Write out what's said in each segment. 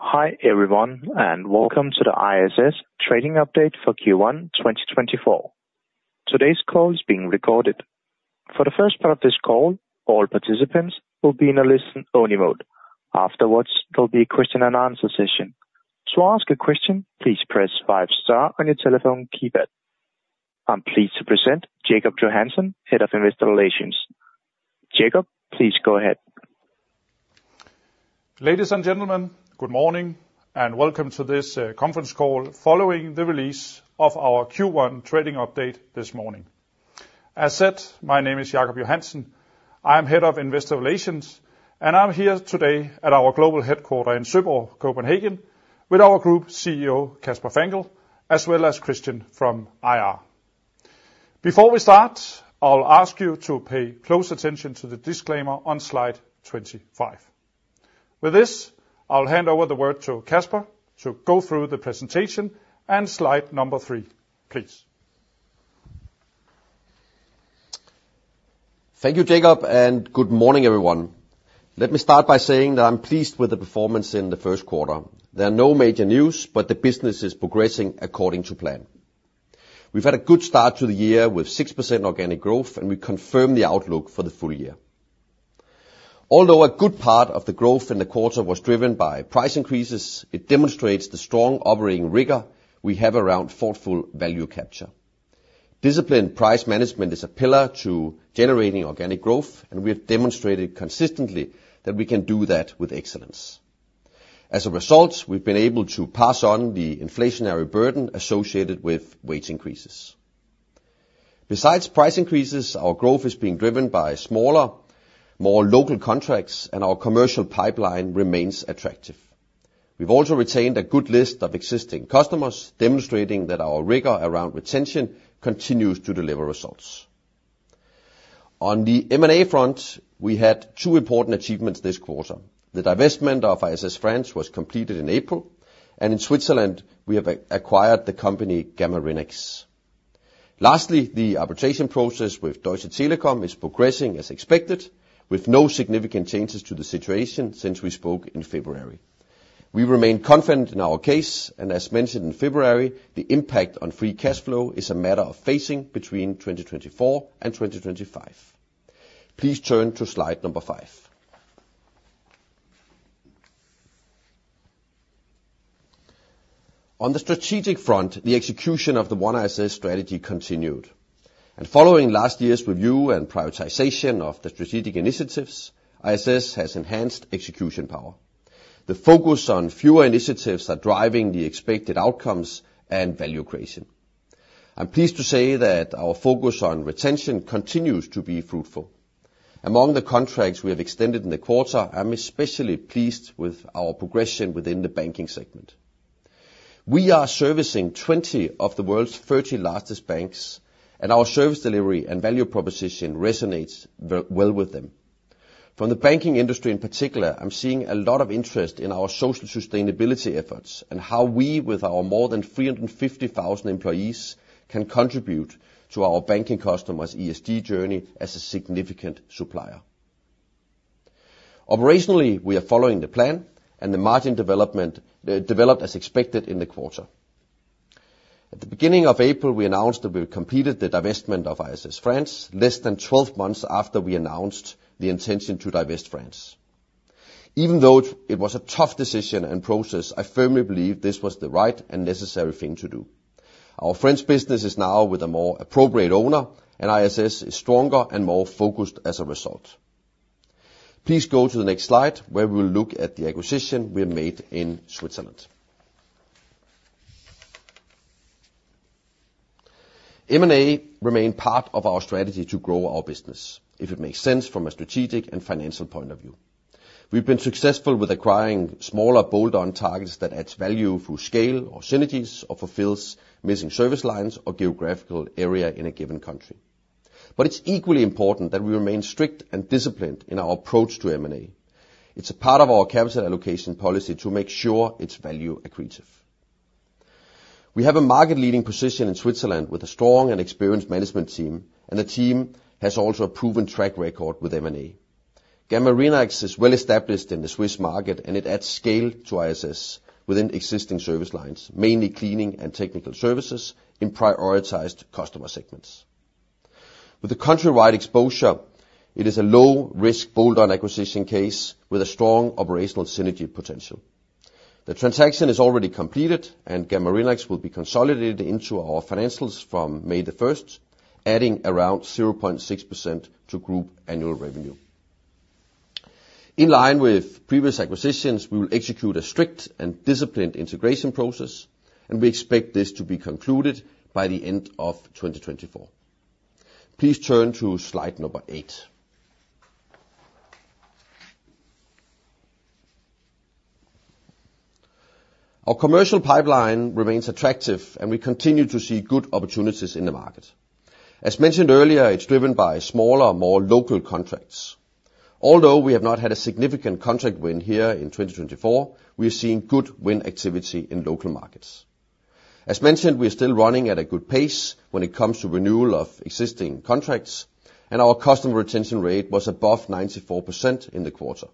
Hi, everyone, and welcome to the ISS trading update for Q1 2024. Today's call is being recorded. For the first part of this call, all participants will be in a listen-only mode. Afterwards, there'll be a Q&A session. To ask a question, please press five star on your telephone keypad. I'm pleased to present Jacob Johansen, Head of Investor Relations. Jacob, please go ahead. Ladies and gentlemen, good morning, and welcome to this conference call following the release of our Q1 trading update this morning. As said, my name is Jacob Johansen. I am Head of Investor Relations, and I'm here today at our global headquarter in Søborg, Copenhagen, with our Group CEO, Kasper Fangel, as well as Christian from IR. Before we start, I'll ask you to pay close attention to the disclaimer on slide 25. With this, I'll hand over the word to Kasper to go through the presentation and slide number 3, please. Thank you, Jacob, and good morning, everyone. Let me start by saying that I'm pleased with the performance in the first quarter. There are no major news, but the business is progressing according to plan. We've had a good start to the year with 6% organic growth, and we confirm the outlook for the full year. Although a good part of the growth in the quarter was driven by price increases, it demonstrates the strong operating rigor we have around thoughtful value capture. Disciplined price management is a pillar to generating organic growth, and we have demonstrated consistently that we can do that with excellence. As a result, we've been able to pass on the inflationary burden associated with wage increases. Besides price increases, our growth is being driven by smaller, more local contracts, and our commercial pipeline remains attractive. We've also retained a good list of existing customers, demonstrating that our rigor around retention continues to deliver results. On the M&A front, we had two important achievements this quarter. The divestment of ISS France was completed in April, and in Switzerland, we have acquired the company gammaRenax. Lastly, the arbitration process with Deutsche Telekom is progressing as expected, with no significant changes to the situation since we spoke in February. We remain confident in our case, and as mentioned in February, the impact on free cash flow is a matter of phasing between 2024 and 2025. Please turn to slide number five. On the strategic front, the execution of the One ISS strategy continued, and following last year's review and prioritization of the strategic initiatives, ISS has enhanced execution power. The focus on fewer initiatives are driving the expected outcomes and value creation. I'm pleased to say that our focus on retention continues to be fruitful. Among the contracts we have extended in the quarter, I'm especially pleased with our progression within the banking segment. We are servicing 20 of the world's 30 largest banks, and our service delivery and value proposition resonates very well with them. From the banking industry in particular, I'm seeing a lot of interest in our social sustainability efforts and how we, with our more than 350,000 employees, can contribute to our banking customers' ESG journey as a significant supplier. Operationally, we are following the plan, and the margin development developed as expected in the quarter. At the beginning of April, we announced that we completed the divestment of ISS France, less than 12 months after we announced the intention to divest France. Even though it was a tough decision and process, I firmly believe this was the right and necessary thing to do. Our French business is now with a more appropriate owner, and ISS is stronger and more focused as a result. Please go to the next slide, where we'll look at the acquisition we have made in Switzerland. M&A remain part of our strategy to grow our business if it makes sense from a strategic and financial point of view. We've been successful with acquiring smaller, bolt-on targets that adds value through scale or synergies or fulfills missing service lines or geographical area in a given country. But it's equally important that we remain strict and disciplined in our approach to M&A. It's a part of our capital allocation policy to make sure it's value accretive. We have a market-leading position in Switzerland with a strong and experienced management team, and the team has also a proven track record with M&A. gammaRenax is well established in the Swiss market, and it adds scale to ISS within existing service lines, mainly cleaning and technical services in prioritized customer segments. With the countrywide exposure, it is a low-risk bolt-on acquisition case with a strong operational synergy potential. The transaction is already completed, and gammaRenax will be consolidated into our financials from May the first, adding around 0.6% to group annual revenue. In line with previous acquisitions, we will execute a strict and disciplined integration process, and we expect this to be concluded by the end of 2024. Please turn to slide 8. Our commercial pipeline remains attractive, and we continue to see good opportunities in the market. As mentioned earlier, it's driven by smaller, more local contracts. Although we have not had a significant contract win here in 2024, we are seeing good win activity in local markets. As mentioned, we are still running at a good pace when it comes to renewal of existing contracts, and our customer retention rate was above 94% in the quarter,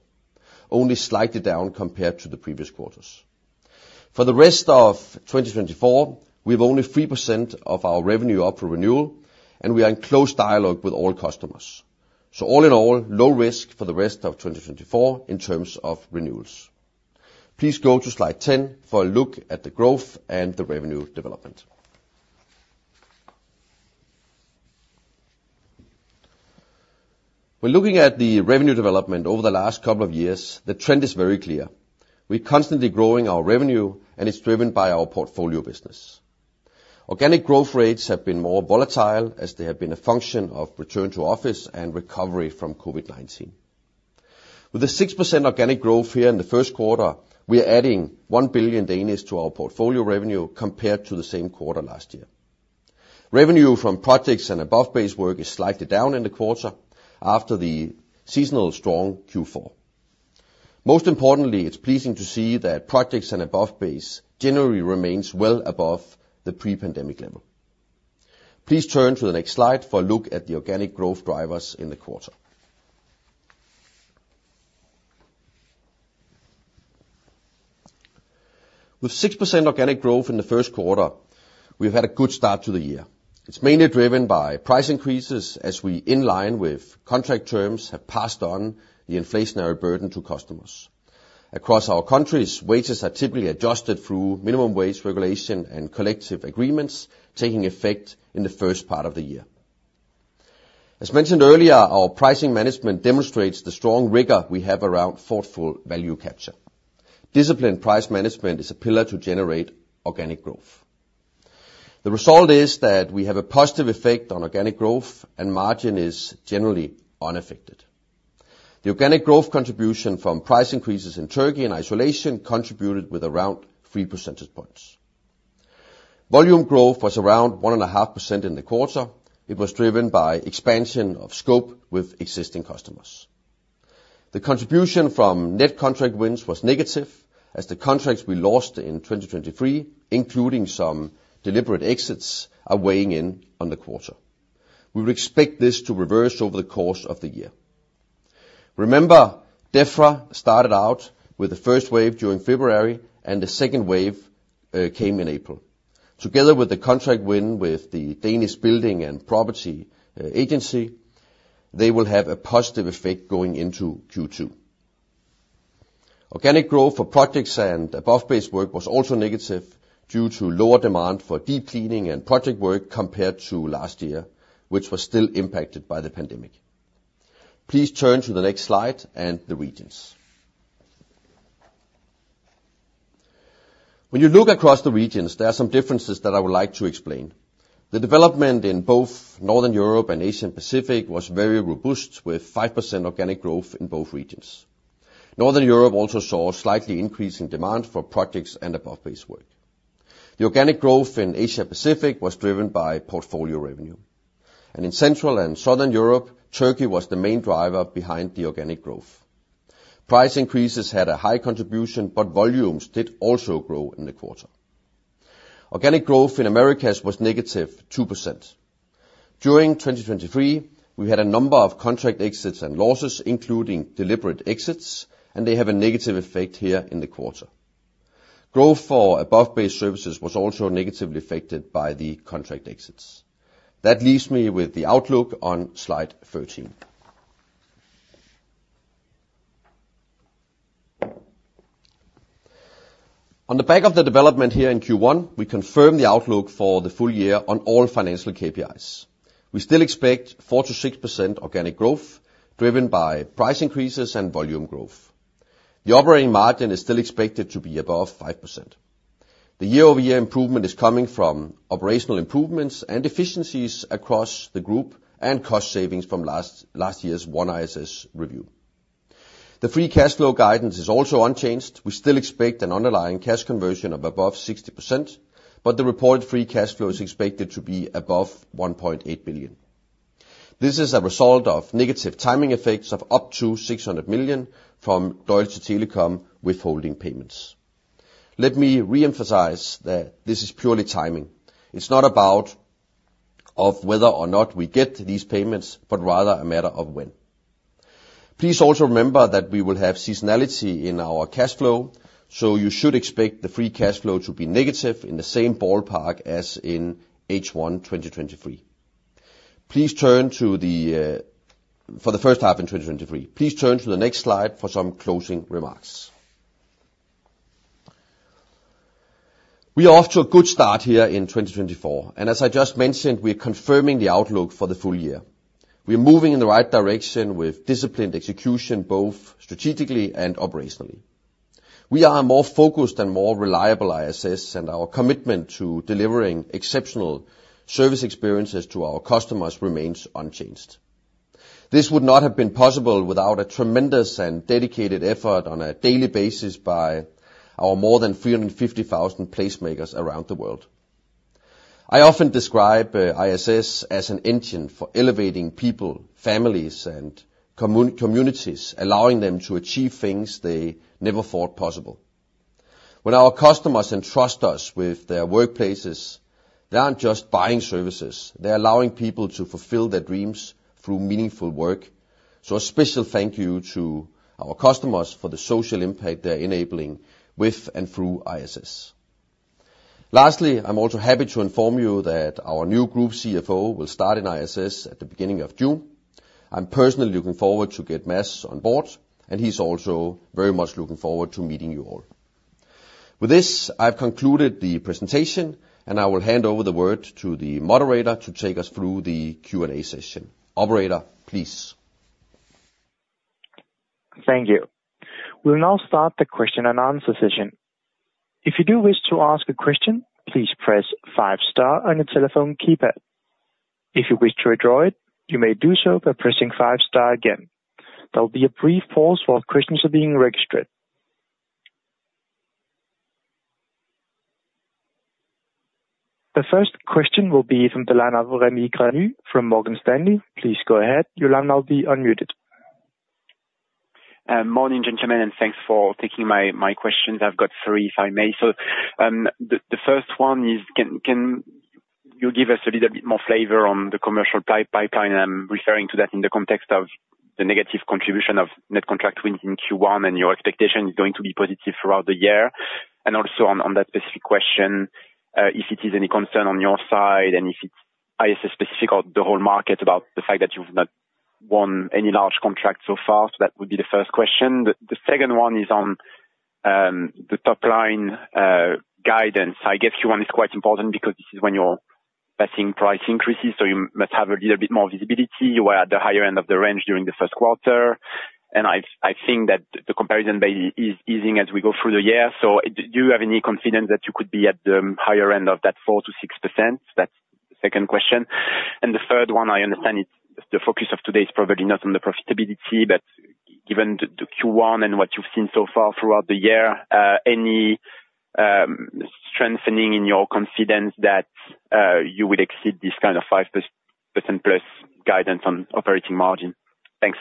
only slightly down compared to the previous quarters. For the rest of 2024, we have only 3% of our revenue up for renewal, and we are in close dialogue with all customers. So all in all, low risk for the rest of 2024 in terms of renewals. Please go to slide 10 for a look at the growth and the revenue development. When looking at the revenue development over the last couple of years, the trend is very clear. We're constantly growing our revenue, and it's driven by our portfolio business. Organic growth rates have been more volatile, as they have been a function of return to office and recovery from COVID-19. With 6% organic growth here in the first quarter, we are adding 1 billion to our portfolio revenue compared to the same quarter last year. Revenue from projects and above base work is slightly down in the quarter after the seasonally strong Q4. Most importantly, it's pleasing to see that projects and above base generally remains well above the pre-pandemic level. Please turn to the next slide for a look at the organic growth drivers in the quarter. With 6% organic growth in the first quarter, we've had a good start to the year. It's mainly driven by price increases as we, in line with contract terms, have passed on the inflationary burden to customers. Across our countries, wages are typically adjusted through minimum wage regulation and collective agreements, taking effect in the first part of the year. As mentioned earlier, our pricing management demonstrates the strong rigor we have around thoughtful value capture. Disciplined price management is a pillar to generate organic growth. The result is that we have a positive effect on organic growth, and margin is generally unaffected. The organic growth contribution from price increases in Turkey and isolation contributed with around three percentage points. Volume growth was around 1.5% in the quarter. It was driven by expansion of scope with existing customers. The contribution from net contract wins was negative, as the contracts we lost in 2023, including some deliberate exits, are weighing in on the quarter. We expect this to reverse over the course of the year. Remember, DEFRA started out with the first wave during February, and the second wave came in April. Together with the contract win with the Danish Building and Property Agency, they will have a positive effect going into Q2. Organic growth for projects and above-base work was also negative due to lower demand for deep cleaning and project work compared to last year, which was still impacted by the pandemic. Please turn to the next slide and the regions. When you look across the regions, there are some differences that I would like to explain. The development in both Northern Europe and Asia Pacific was very robust, with 5% organic growth in both regions. Northern Europe also saw a slight increase in demand for projects and above-base work. The organic growth in Asia Pacific was driven by portfolio revenue. In Central and Southern Europe, Turkey was the main driver behind the organic growth. Price increases had a high contribution, but volumes did also grow in the quarter. Organic growth in Americas was -2%. During 2023, we had a number of contract exits and losses, including deliberate exits, and they have a negative effect here in the quarter. Growth for above-base services was also negatively affected by the contract exits. That leaves me with the outlook on slide 13. On the back of the development here in Q1, we confirm the outlook for the full year on all financial KPIs. We still expect 4%-6% organic growth, driven by price increases and volume growth. The operating margin is still expected to be above 5%. The YoY improvement is coming from operational improvements and efficiencies across the group and cost savings from last year's One ISS review. The free cash flow guidance is also unchanged. We still expect an underlying cash conversion of above 60%, but the reported free cash flow is expected to be above 1.8 billion. This is a result of negative timing effects of up to 600 million from Deutsche Telekom withholding payments. Let me reemphasize that this is purely timing. It's not about of whether or not we get these payments, but rather a matter of when. Please also remember that we will have seasonality in our cash flow, so you should expect the free cash flow to be negative in the same ballpark as in H1 2023. Please turn to the next slide for some closing remarks. We are off to a good start here in 2024, and as I just mentioned, we are confirming the outlook for the full year. We are moving in the right direction with disciplined execution, both strategically and operationally. We are a more focused and more reliable ISS, and our commitment to delivering exceptional service experiences to our customers remains unchanged. This would not have been possible without a tremendous and dedicated effort on a daily basis by our more than 350,000 Placemakers around the world.... I often describe ISS as an engine for elevating people, families, and communities, allowing them to achieve things they never thought possible. When our customers entrust us with their workplaces, they aren't just buying services, they're allowing people to fulfill their dreams through meaningful work. So a special thank you to our customers for the social impact they're enabling with and through ISS. Lastly, I'm also happy to inform you that our new Group CFO will start in ISS at the beginning of June. I'm personally looking forward to get Mads on board, and he's also very much looking forward to meeting you all. With this, I've concluded the presentation, and I will hand over the word to the moderator to take us through the Q&A session. Operator, please. Thank you. We'll now start the question and answer session. If you do wish to ask a question, please press five star on your telephone keypad. If you wish to withdraw it, you may do so by pressing five star again. There will be a brief pause while questions are being registered. The first question will be from the line of Rémi Grenu from Morgan Stanley. Please go ahead. Your line will now be unmuted. Morning, gentlemen, and thanks for taking my questions. I've got three, if I may. So, the first one is: Can you give us a little bit more flavor on the commercial pipeline? I'm referring to that in the context of the negative contribution of net contract wins in Q1, and your expectation is going to be positive throughout the year. And also on that specific question, if it is any concern on your side, and if it's ISS specific or the whole market, about the fact that you've not won any large contracts so far. So that would be the first question. The second one is on the top line guidance. I guess Q1 is quite important because this is when you're passing price increases, so you must have a little bit more visibility. You were at the higher end of the range during the first quarter, and I think that the comparison may be easing as we go through the year. So do you have any confidence that you could be at the higher end of that 4%-6%? That's the second question. And the third one, I understand it, the focus of today is probably not on the profitability, but given the Q1 and what you've seen so far throughout the year, any strengthening in your confidence that you will exceed this kind of 5% plus guidance on operating margin? Thanks.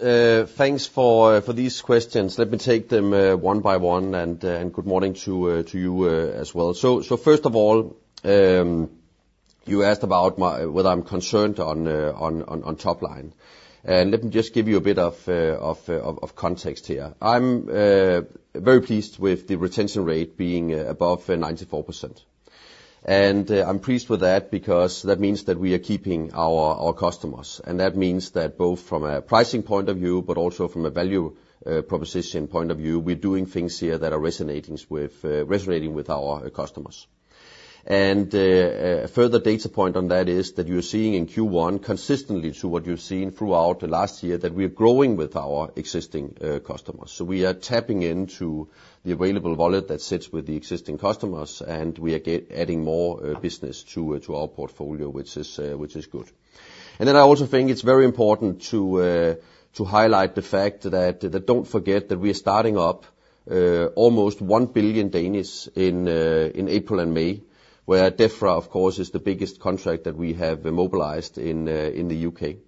Thanks for these questions. Let me take them one by one, and good morning to you as well. So first of all, you asked about whether I'm concerned on top line. And let me just give you a bit of context here. I'm very pleased with the retention rate being above 94%. And I'm pleased with that because that means that we are keeping our customers, and that means that both from a pricing point of view, but also from a value proposition point of view, we're doing things here that are resonating with our customers. And, a further data point on that is that you're seeing in Q1, consistently to what you've seen throughout the last year, that we are growing with our existing customers. So we are tapping into the available wallet that sits with the existing customers, and we are adding more business to our portfolio, which is good. And then I also think it's very important to highlight the fact that don't forget that we are starting up almost 1 billion in April and May, where DEFRA, of course, is the biggest contract that we have mobilized in the U.K.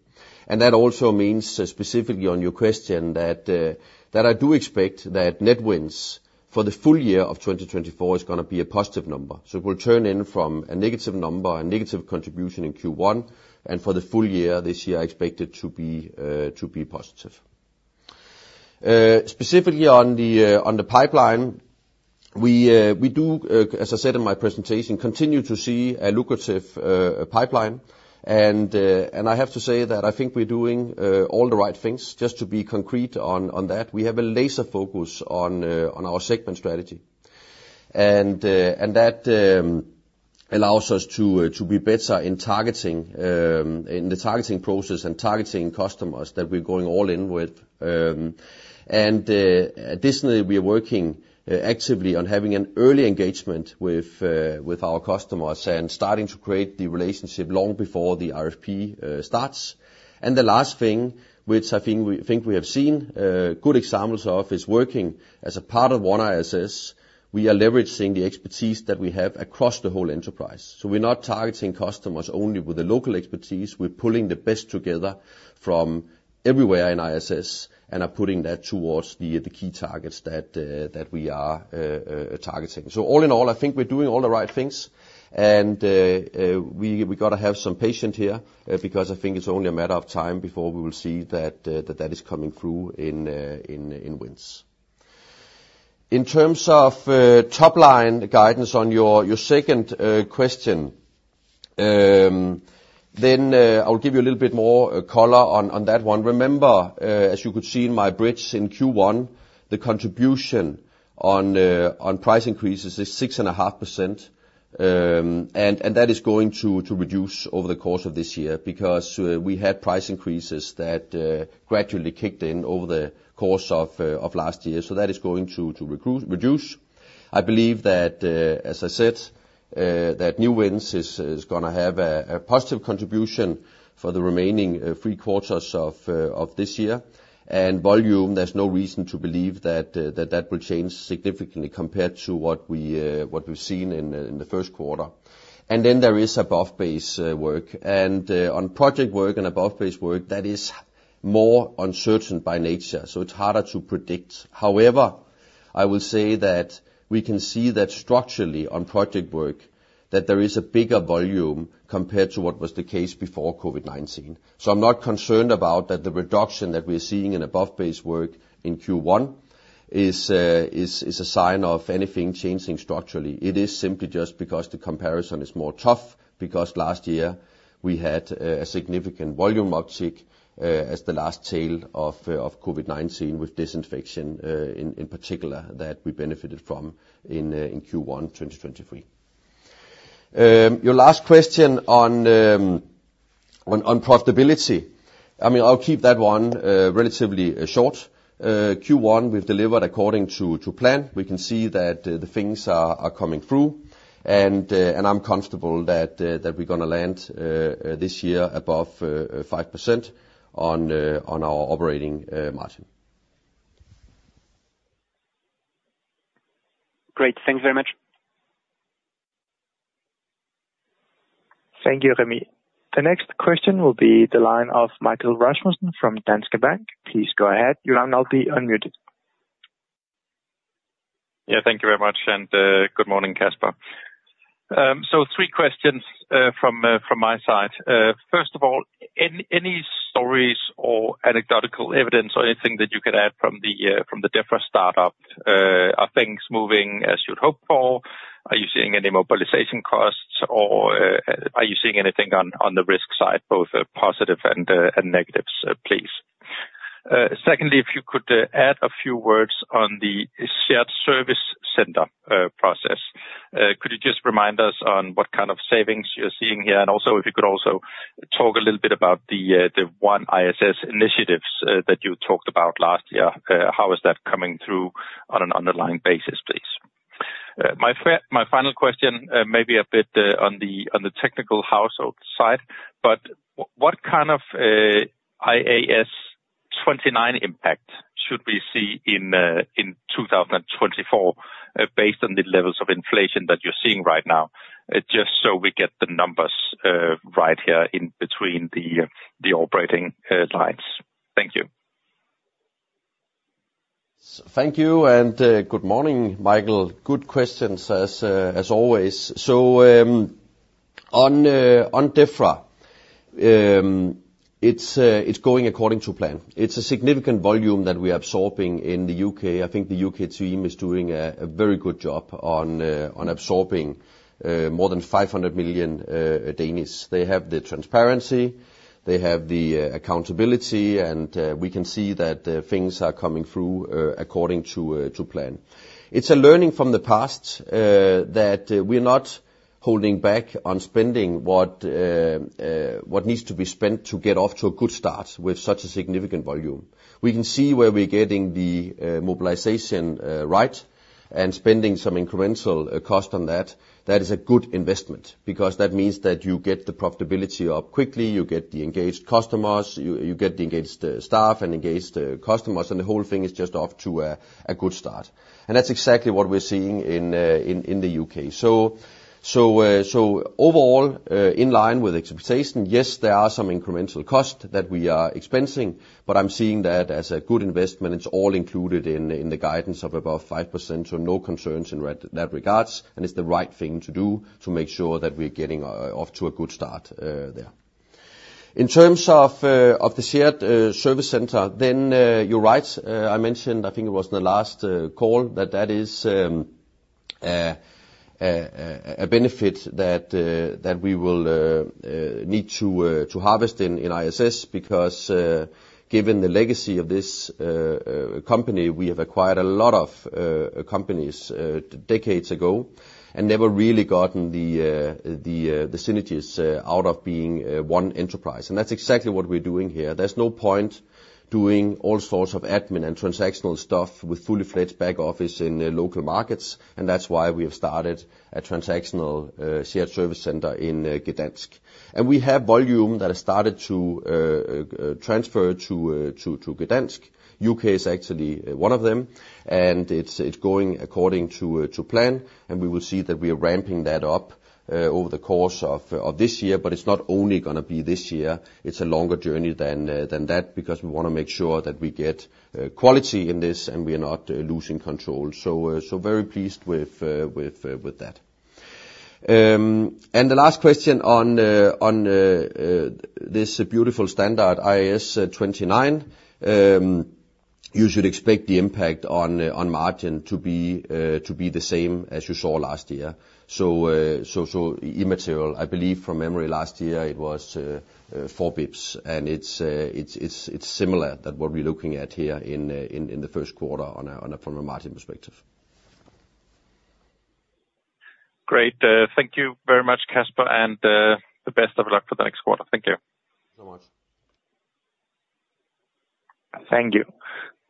And that also means, specifically on your question, that I do expect that net wins for the full year of 2024 is gonna be a positive number. So it will turn in from a negative number, a negative contribution in Q1, and for the full year, this year, I expect it to be positive. Specifically on the pipeline, we do, as I said in my presentation, continue to see a lucrative pipeline. And I have to say that I think we're doing all the right things. Just to be concrete on that, we have a laser focus on our segment strategy. And that allows us to be better in targeting, in the targeting process and targeting customers that we're going all in with. And additionally, we are working actively on having an early engagement with our customers and starting to create the relationship long before the RFP starts. The last thing, which I think we have seen good examples of, is working as a part of One ISS. We are leveraging the expertise that we have across the whole enterprise. So we're not targeting customers only with the local expertise. We're pulling the best together from everywhere in ISS and are putting that towards the key targets that we are targeting. So all in all, I think we're doing all the right things, and we gotta have some patience here, because I think it's only a matter of time before we will see that that is coming through in wins. In terms of top-line guidance on your second question, then I'll give you a little bit more color on that one. Remember, as you could see in my bridge in Q1, the contribution on price increases is 6.5%, and that is going to reduce over the course of this year, because we had price increases that gradually kicked in over the course of last year. So that is going to reduce. I believe that, as I said, that new wins is going to have a positive contribution for the remaining three quarters of this year. And volume, there's no reason to believe that that will change significantly compared to what we've seen in the first quarter. And then there is above base work. And, on project work and above base work, that is more uncertain by nature, so it's harder to predict. However, I will say that we can see that structurally on project work, that there is a bigger volume compared to what was the case before COVID-19. So I'm not concerned about that the reduction that we're seeing in above base work in Q1 is a sign of anything changing structurally. It is simply just because the comparison is more tough, because last year we had a significant volume uptick, as the last tail of COVID-19, with disinfection, in particular, that we benefited from in Q1 2023. Your last question on profitability, I mean, I'll keep that one relatively short. Q1, we've delivered according to plan. We can see that the things are coming through, and I'm comfortable that we're going to land this year above 5% on our operating margin. Great. Thank you very much. Thank you, Rémi. The next question will be the line of Michael Rasmussen from Danske Bank. Please go ahead. You'll now be unmuted. Yeah, thank you very much, and good morning, Kasper. So three questions from my side. First of all, any stories or anecdotal evidence or anything that you could add from the different startup? Are things moving as you'd hoped for? Are you seeing any mobilization costs, or are you seeing anything on the risk side, both positive and negatives, please? Secondly, if you could add a few words on the shared service center process. Could you just remind us on what kind of savings you're seeing here? And also, if you could also talk a little bit about the One ISS initiatives that you talked about last year. How is that coming through on an underlying basis, please? My final question may be a bit on the technical side, but what kind of IAS 29 impact should we see in 2024 based on the levels of inflation that you're seeing right now? Just so we get the numbers right here in between the operating lines. Thank you. Thank you, and good morning, Michael. Good questions, as always. So, on DEFRA, it's going according to plan. It's a significant volume that we are absorbing in the U.K. I think the U.K. team is doing a very good job on absorbing more than 500 million. They have the transparency, they have the accountability, and we can see that things are coming through according to plan. It's a learning from the past that we're not holding back on spending what needs to be spent to get off to a good start with such a significant volume. We can see where we're getting the mobilization right, and spending some incremental cost on that. That is a good investment, because that means that you get the profitability up quickly, you get the engaged customers, you get the engaged staff and engaged customers, and the whole thing is just off to a good start. And that's exactly what we're seeing in the U.K. So overall, in line with expectation, yes, there are some incremental costs that we are expensing, but I'm seeing that as a good investment. It's all included in the guidance of above 5%, so no concerns in that regards, and it's the right thing to do to make sure that we're getting off to a good start there. In terms of the shared service center, then, you're right. I mentioned, I think it was in the last call, that that is a benefit that we will need to harvest in ISS. Because, given the legacy of this company, we have acquired a lot of companies decades ago, and never really gotten the synergies out of being one enterprise, and that's exactly what we're doing here. There's no point doing all sorts of admin and transactional stuff with fully fledged back office in the local markets, and that's why we have started a transactional shared service center in Gdansk. And we have volume that has started to transfer to Gdansk. U.K. is actually one of them, and it's going according to plan, and we will see that we are ramping that up over the course of this year. But it's not only going to be this year, it's a longer journey than that, because we want to make sure that we get quality in this and we are not losing control. So, very pleased with that. And the last question on this beautiful standard, IAS 29, you should expect the impact on margin to be the same as you saw last year. So, immaterial. I believe from memory last year it was four basis points, and it's similar that what we're looking at here in the first quarter from a margin perspective. Great. Thank you very much, Kasper, and the best of luck for the next quarter. Thank you. So much.... Thank you.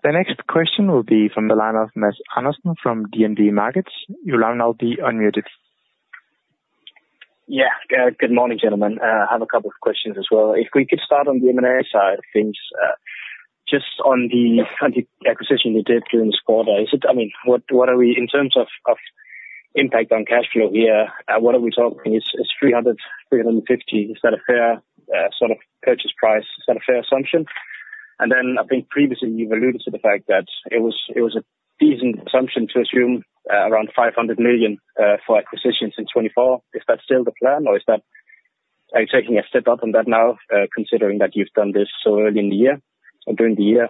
The next question will be from the line of Mats Andersson from DNB Markets. You'll now be unmuted. Yeah, good morning, gentlemen. I have a couple of questions as well. If we could start on the M&A side of things, just on the acquisition you did during this quarter, is it—I mean, what, what are we, in terms of, of impact on cash flow here, what are we talking? It's 300-350. Is that a fair sort of purchase price? Is that a fair assumption? And then, I think previously you've alluded to the fact that it was, it was a decent assumption to assume around 500 million for acquisitions in 2024. Is that still the plan? Or is that are you taking a step up on that now, considering that you've done this so early in the year or during the year?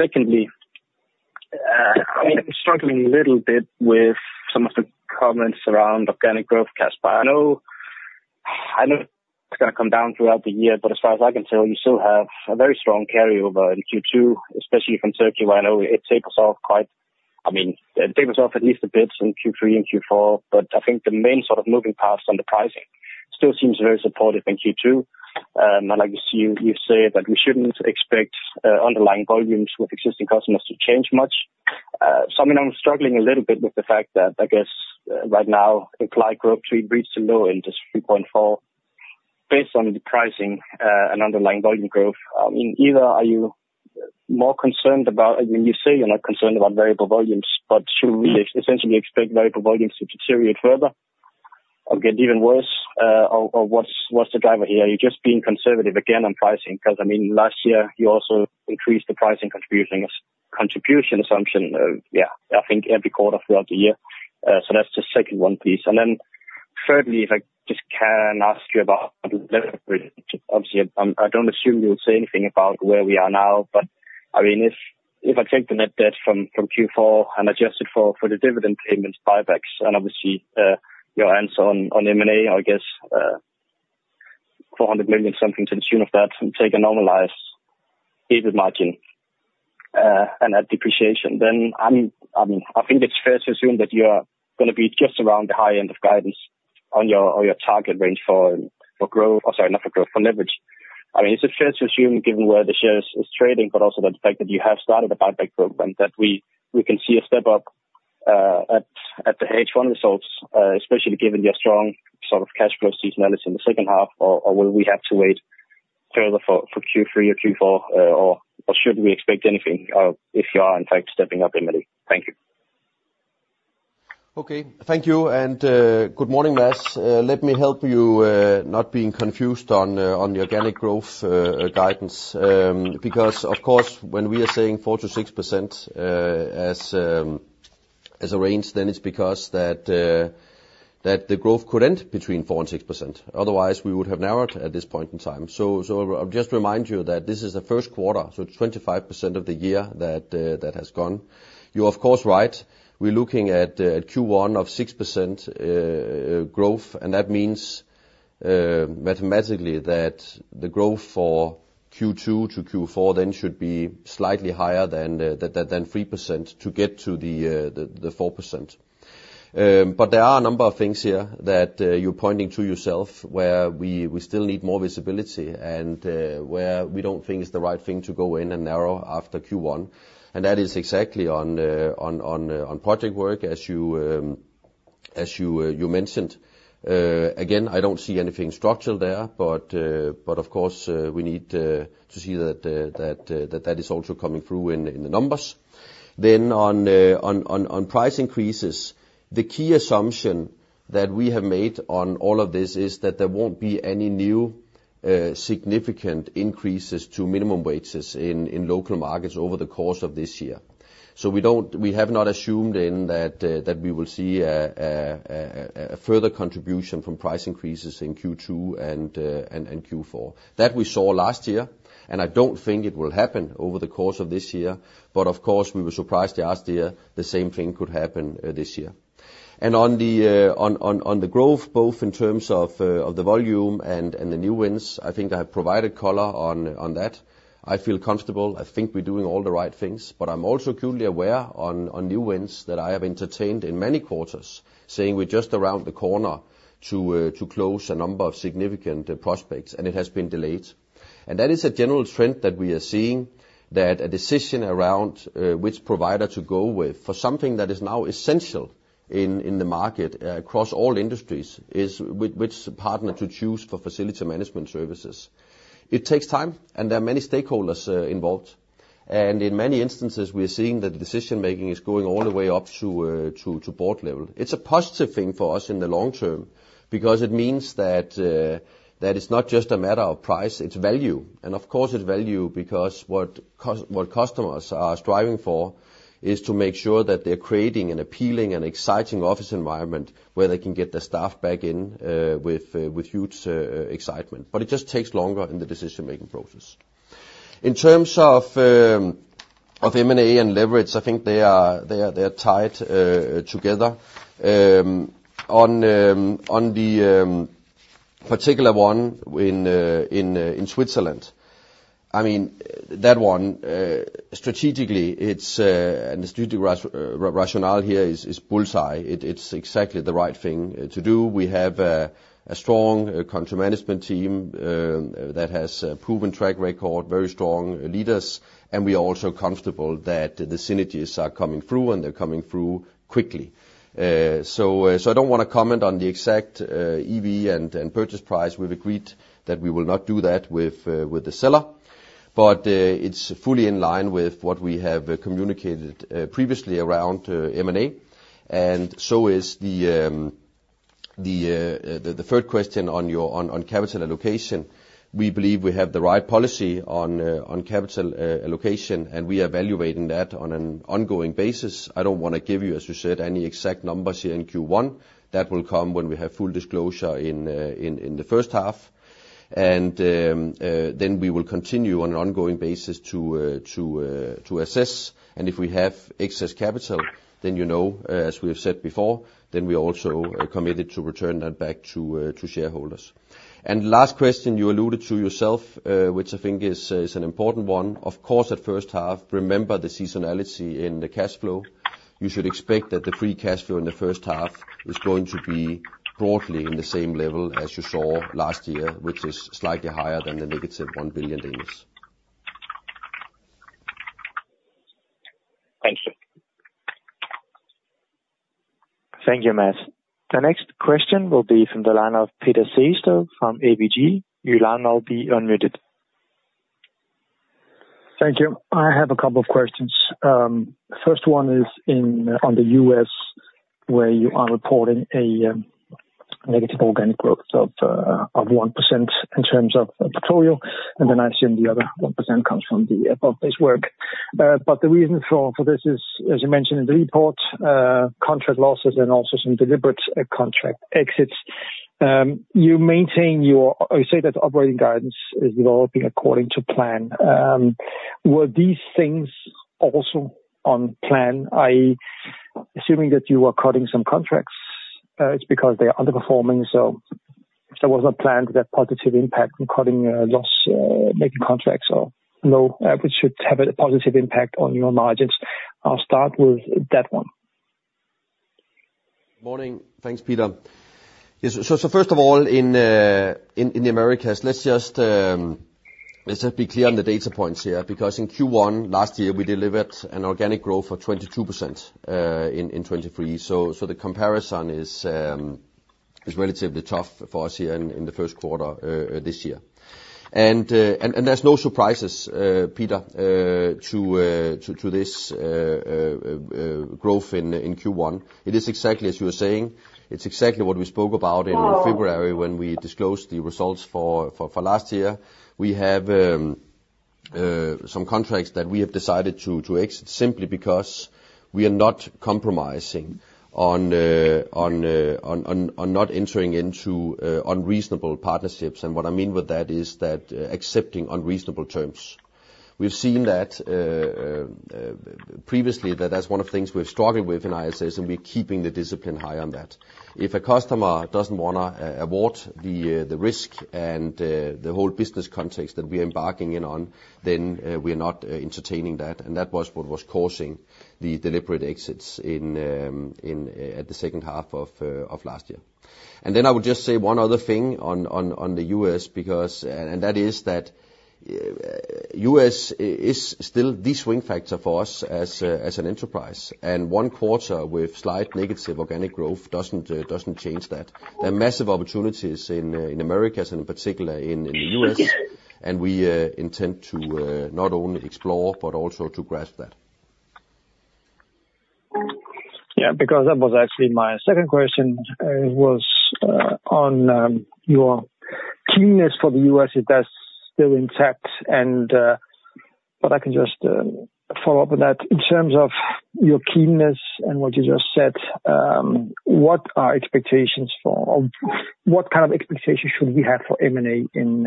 Secondly, I mean, I'm struggling a little bit with some of the comments around organic growth, Kasper. I know, I know it's gonna come down throughout the year, but as far as I can tell, you still have a very strong carryover in Q2, especially from Turkey, where I know it tapers off quite—I mean, it tapers off at least a bit in Q3 and Q4, but I think the main sort of moving parts on the pricing still seems very supportive in Q2. And I like to see you, you've said that we shouldn't expect underlying volumes with existing customers to change much. So I mean, I'm struggling a little bit with the fact that I guess right now, the client growth rate reached a low in just 3.4 based on the pricing and underlying volume growth. I mean, either are you more concerned about... I mean, you say you're not concerned about variable volumes, but should we essentially expect variable volumes to deteriorate further or get even worse? Or what's the driver here? Are you just being conservative again on pricing? Because, I mean, last year you also increased the pricing contributing, contribution assumption, I think every quarter throughout the year. So that's the second one, please. And then thirdly, if I just can ask you about leverage. Obviously, I don't assume you'll say anything about where we are now, but I mean, if I take the net debt from Q4 and adjust it for the dividend payments, buybacks, and obviously, your answer on M&A, I guess, 400 million, something to the tune of that, and take a normalized EBIT margin, and add depreciation, then I'm, I mean, I think it's fair to assume that you are gonna be just around the high end of guidance on your target range for growth, or sorry, not for growth, for leverage. I mean, is it fair to assume, given where the share is trading, but also the fact that you have started a buyback program, that we can see a step up at the H1 results, especially given your strong sort of cash flow seasonality in the second half, or will we have to wait further for Q3 or Q4? Or should we expect anything if you are in fact stepping up M&A? Thank you. Okay. Thank you, and good morning, Mats. Let me help you not being confused on the organic growth guidance. Because, of course, when we are saying 4%-6% as a range, then it's because that the growth could end between 4% and 6%. Otherwise, we would have narrowed at this point in time. So, I'll just remind you that this is the first quarter, so 25% of the year that has gone. You're of course right. We're looking at Q1 of 6% growth, and that means mathematically that the growth for Q2 to Q4 then should be slightly higher than three percent to get to the 4%. But there are a number of things here that you're pointing to yourself, where we still need more visibility and where we don't think it's the right thing to go in and narrow after Q1. And that is exactly on project work, as you mentioned. Again, I don't see anything structural there, but of course we need to see that that is also coming through in the numbers. Then on price increases, the key assumption that we have made on all of this is that there won't be any new significant increases to minimum wages in local markets over the course of this year. So we don't—we have not assumed then that we will see a further contribution from price increases in Q2 and Q4. That we saw last year, and I don't think it will happen over the course of this year, but of course, we were surprised last year, the same thing could happen this year. And on the growth, both in terms of the volume and the new wins, I think I have provided color on that. I feel comfortable. I think we're doing all the right things, but I'm also acutely aware on new wins that I have entertained in many quarters, saying we're just around the corner to close a number of significant prospects, and it has been delayed. That is a general trend that we are seeing, that a decision around which provider to go with for something that is now essential in the market across all industries is which partner to choose for facility management services. It takes time, and there are many stakeholders involved. In many instances, we are seeing that the decision-making is going all the way up to board level. It's a positive thing for us in the long term because it means that that it's not just a matter of price, it's value. Of course, it's value because what customers are striving for is to make sure that they're creating an appealing and exciting office environment where they can get their staff back in with huge excitement. But it just takes longer in the decision-making process. In terms of of M&A and leverage, I think they are tied together. On the particular one in Switzerland. I mean, that one, strategically, it's, and the strategic rationale here is bull's eye. It's exactly the right thing to do. We have a strong country management team that has a proven track record, very strong leaders, and we are also comfortable that the synergies are coming through, and they're coming through quickly. So I don't wanna comment on the exact EV and purchase price. We've agreed that we will not do that with the seller. But it's fully in line with what we have communicated previously around M&A. And so is the third question on your capital allocation. We believe we have the right policy on capital allocation, and we are evaluating that on an ongoing basis. I don't wanna give you, as you said, any exact numbers here in Q1. That will come when we have full disclosure in the first half. And then we will continue on an ongoing basis to assess, and if we have excess capital, then you know, as we have said before, then we are also committed to return that back to shareholders. And last question you alluded to yourself, which I think is an important one. Of course, at first half, remember the seasonality in the cash flow. You should expect that the free cash flow in the first half is going to be broadly in the same level as you saw last year, which is slightly higher than -1 billion. Thank you. Thank you, Mats. The next question will be from the line of Peter Sehested from ABG. Your line will now be unmuted. Thank you. I have a couple of questions. First one is in on the U.S., where you are reporting a negative organic growth of 1% in terms of total, and then I assume the other 1% comes from the above-base work. But the reason for this is, as you mentioned in the report, contract losses and also some deliberate contract exits. You maintain your... You say that operating guidance is developing according to plan. Were these things also on plan, i.e., assuming that you are cutting some contracts, it's because they are underperforming, so was there a plan to have positive impact in cutting loss-making contracts or low, which should have a positive impact on your margins? I'll start with that one. Morning. Thanks, Peter. Yes, so first of all, in the Americas, let's just be clear on the data points here, because in Q1 last year, we delivered an organic growth of 22% in 2023. So the comparison is relatively tough for us here in the first quarter this year. And there's no surprises, Peter, to this growth in Q1. It is exactly as you were saying, it's exactly what we spoke about in February when we disclosed the results for last year. We have some contracts that we have decided to exit, simply because we are not compromising on not entering into unreasonable partnerships. And what I mean with that is that accepting unreasonable terms. We've seen that previously, that that's one of the things we've struggled with in ISS, and we're keeping the discipline high on that. If a customer doesn't wanna award the risk and the whole business context that we are embarking in on, then we are not entertaining that. And that was what was causing the deliberate exits in the second half of last year. And then I would just say one other thing on the U.S., because and that is that U.S. is still the swing factor for us as an enterprise, and one quarter with slight negative organic growth doesn't change that. There are massive opportunities in, in Americas and in particular in, in the U.S., and we intend to not only explore, but also to grasp that. Yeah, because that was actually my second question, was on your keenness for the U.S., if that's still intact, and but I can just follow up with that. In terms of your keenness and what you just said, what are expectations for... What kind of expectations should we have for M&A in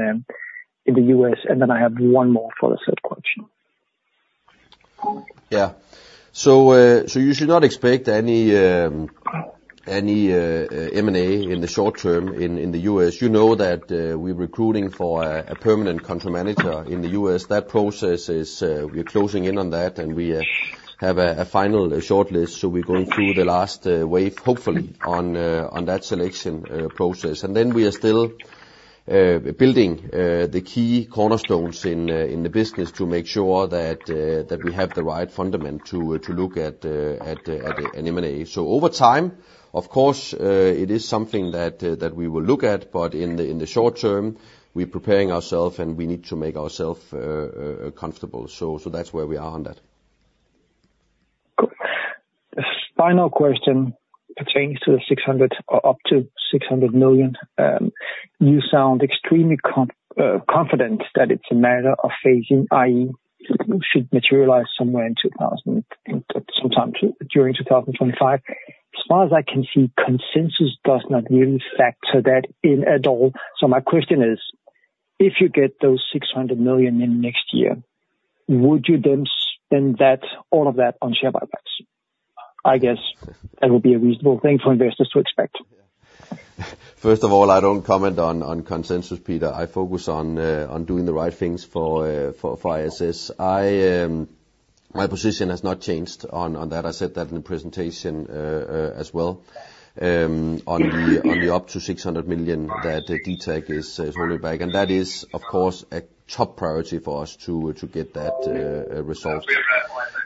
the U.S.? And then I have one more for the third question. Yeah. So, so you should not expect any M&A in the short term in the U.S. You know that we're recruiting for a permanent country manager in the U.S. That process is, we're closing in on that, and we have a final shortlist, so we're going through the last wave, hopefully on that selection process. And then we are still building the key cornerstones in the business to make sure that we have the right foundation to look at an M&A. So over time, of course, it is something that we will look at, but in the short term, we're preparing ourselves, and we need to make ourselves comfortable. So that's where we are on that. Cool. Final question pertains to the 600, up to 600 million. You sound extremely confident that it's a matter of phasing, i.e., should materialize somewhere in 2025, sometime during 2025. As far as I can see, consensus does not really factor that in at all. So my question is: If you get those 600 million in next year, would you then spend that, all of that, on share buybacks?... I guess that would be a reasonable thing for investors to expect. First of all, I don't comment on consensus, Peter. I focus on doing the right things for ISS. My position has not changed on that. I said that in the presentation as well, on the up to 600 million that DTEK is holding back, and that is, of course, a top priority for us to get that resolved.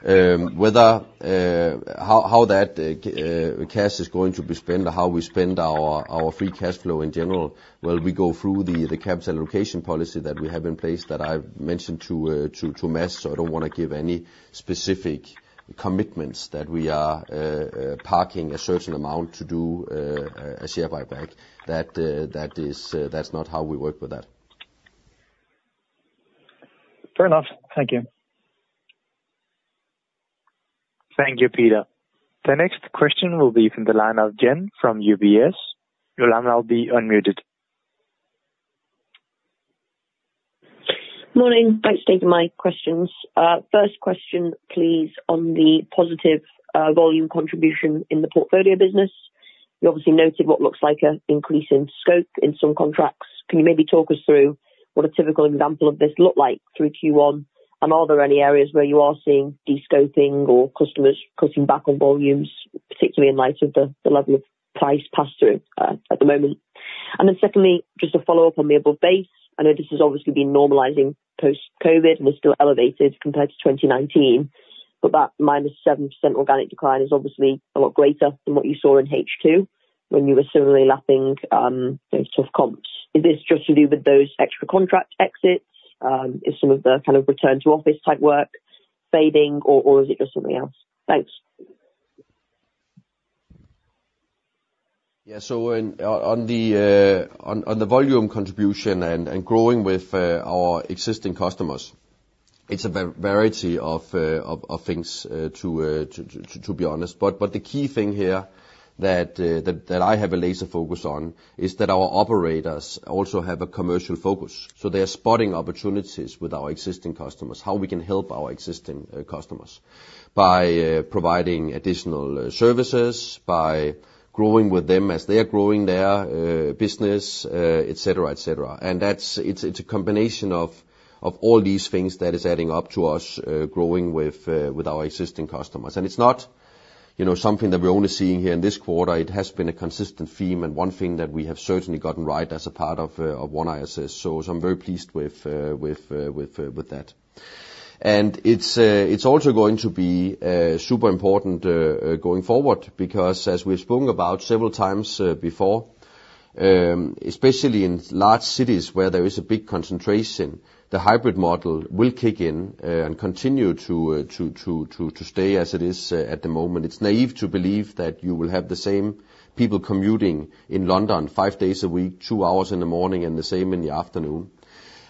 Whether, how that cash is going to be spent or how we spend our free cash flow in general, well, we go through the capital allocation policy that we have in place that I've mentioned to Matt, so I don't want to give any specific commitments that we are parking a certain amount to do a share buyback. That, that's not how we work with that. Fair enough. Thank you. Thank you, Peter. The next question will be from the line of Jen from UBS. Your line will be unmuted. Morning. Thanks for taking my questions. First question, please, on the positive volume contribution in the portfolio business. You obviously noted what looks like an increase in scope in some contracts. Can you maybe talk us through what a typical example of this look like through Q1? And are there any areas where you are seeing de-scoping or customers cutting back on volumes, particularly in light of the level of price pass-through at the moment? And then secondly, just to follow up on the above base, I know this has obviously been normalizing post-COVID and is still elevated compared to 2019, but that -7% organic decline is obviously a lot greater than what you saw in H2, when you were similarly lapping those tough comps. Is this just to do with those extra contract exits? Is some of the kind of return to office type work fading or is it just something else? Thanks. Yeah. So on the volume contribution and growing with our existing customers, it's a variety of things, to be honest. But the key thing here that I have a laser focus on is that our operators also have a commercial focus, so they are spotting opportunities with our existing customers, how we can help our existing customers. By providing additional services, by growing with them as they are growing their business, et cetera, et cetera. And it's a combination of all these things that is adding up to us growing with our existing customers. And it's not, you know, something that we're only seeing here in this quarter. It has been a consistent theme, and one thing that we have certainly gotten right as a part of One ISS. So I'm very pleased with that. And it's also going to be super important going forward, because as we've spoken about several times before, especially in large cities where there is a big concentration, the hybrid model will kick in and continue to stay as it is at the moment. It's naive to believe that you will have the same people commuting in London five days a week, two hours in the morning and the same in the afternoon.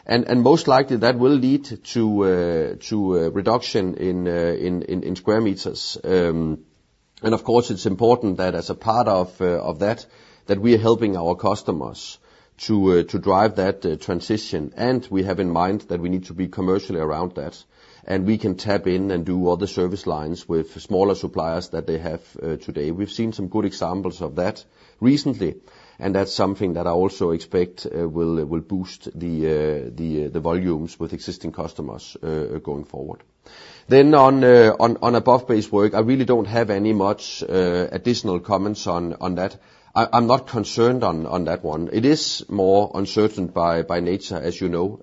And most likely, that will lead to a reduction in square meters. And of course, it's important that as a part of that, we are helping our customers to drive that transition, and we have in mind that we need to be commercially around that, and we can tap in and do other service lines with smaller suppliers that they have today. We've seen some good examples of that recently, and that's something that I also expect will boost the volumes with existing customers going forward. Then on above-base work, I really don't have any much additional comments on that. I'm not concerned on that one. It is more uncertain by nature, as you know.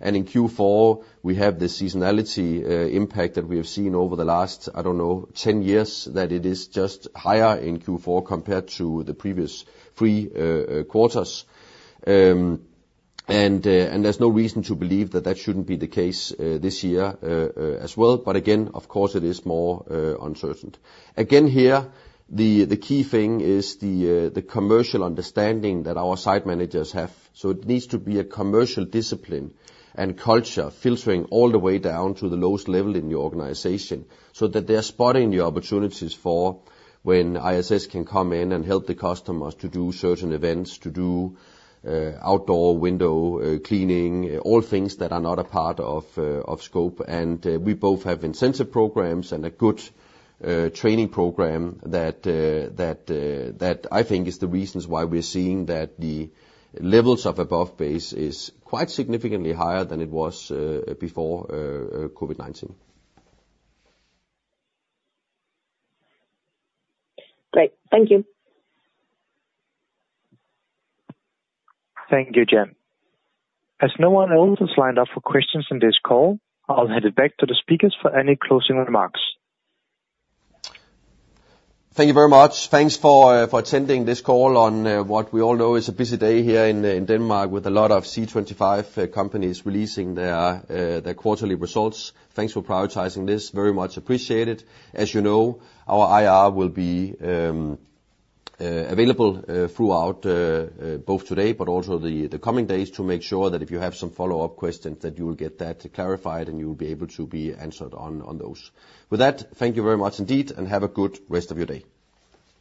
In Q4, we have the seasonality impact that we have seen over the last, I don't know, 10 years, that it is just higher in Q4 compared to the previous 3 quarters. And there's no reason to believe that that shouldn't be the case this year as well. But again, of course, it is more uncertain. Again, here, the key thing is the commercial understanding that our site managers have. So it needs to be a commercial discipline and culture, filtering all the way down to the lowest level in the organization, so that they are spotting the opportunities for when ISS can come in and help the customers to do certain events, to do outdoor window cleaning, all things that are not a part of scope. We both have incentive programs and a good training program that I think is the reasons why we're seeing that the levels of above base is quite significantly higher than it was before COVID-19. Great. Thank you. Thank you, Jen. As no one else is lined up for questions in this call, I'll hand it back to the speakers for any closing remarks. Thank you very much. Thanks for attending this call on what we all know is a busy day here in Denmark, with a lot of C25 companies releasing their quarterly results. Thanks for prioritizing this. Very much appreciated. As you know, our IR will be available throughout both today, but also the coming days, to make sure that if you have some follow-up questions, that you will get that clarified, and you will be able to be answered on those. With that, thank you very much indeed, and have a good rest of your day.